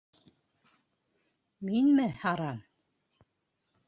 — Минме һаран?